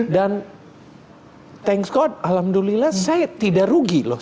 dan thanks god alhamdulillah saya tidak rugi loh